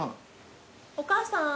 お母さん。